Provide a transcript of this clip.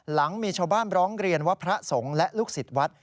หลังมีชาวบ้านร้องเรียนว่าพระสงฆ์และลูกศิษย์วัด